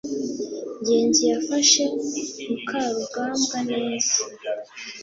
ngenzi yafashe mukarugambwa neza